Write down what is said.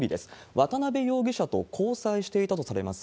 渡辺容疑者と交際していたとされます